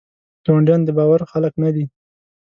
ګاونډیان دباور خلګ نه دي.